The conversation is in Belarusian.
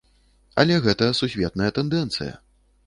Але гэта сусветная тэндэнцыя.